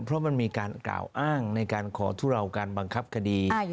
เพราะมันมีการกล่าวอ้างในการขอทุเลาการบังคับคดี